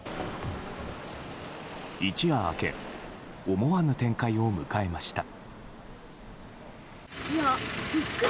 一夜明け思わぬ展開を迎えました。